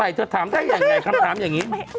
เธอถามได้ยังไงคำถามอย่างนี้